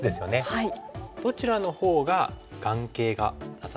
はい。